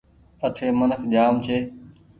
اٺي منک جآم ڇي۔